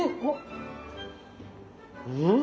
うん！